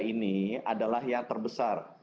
ini adalah yang terbesar